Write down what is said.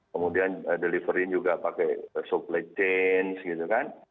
kemudian delivery juga pakai supply chain gitu kan